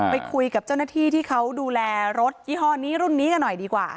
ไปคุยกับเจ้าหน้าที่ที่เขาดูแลรถยี่ห้อนี้รุ่นนี้กันหน่อยดีกว่า